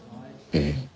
ええ。